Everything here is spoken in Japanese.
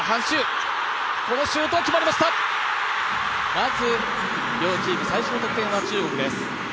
まず両チーム最初の得点は中国です。